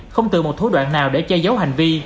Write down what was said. không từ một thú đoạn nào để che giấu hành vi